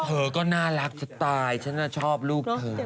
เธอก็น่ารักฉันตายฉันชอบลูกเธอ